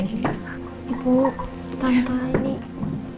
ibu tante ini